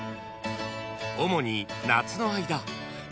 ［主に夏の間］